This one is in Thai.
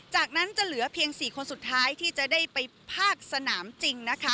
จากนั้นจะเหลือเพียง๔คนสุดท้ายที่จะได้ไปภาคสนามจริงนะคะ